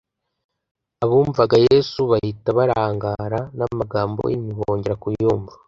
Abumvaga Yesu bahita barangara n' amagambo ye ntibongera kuyumva.